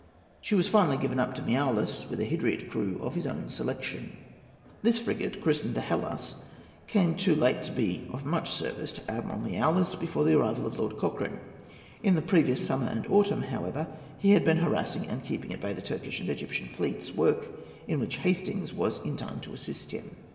She was finally given up to Miaoulis, with a Hydriot crew of his own selection."[A] [Footnote A: Gordon, vol. ii., p. 326.] This frigate, christened the Hellas, came too late to be of much service to Admiral Miaoulis, before the arrival of Lord Cochrane. In the previous summer and autumn, however, he had been harassing and keeping at bay the Turkish and Egyptian fleets—work in which Hastings was in time to assist him.